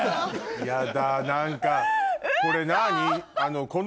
ヤダ何かこれ何？